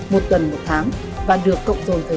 một tuần một tháng và được cộng dồn thời